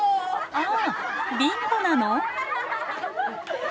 ああビンゴなの？